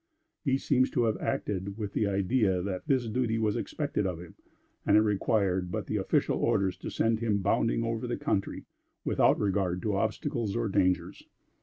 He seems to have acted with the idea that this duty was expected of him, and it required but the official orders to send him bounding over the country, without regard to obstacles or dangers.